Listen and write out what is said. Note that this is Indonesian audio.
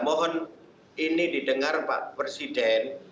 mohon ini didengar pak presiden